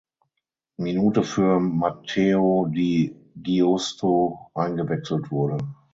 Minute für Matteo Di Giusto eingewechselt wurde.